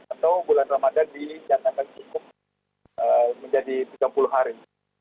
atau bulan ramadhan dinyatakan cukup menjadi tiga puluh hari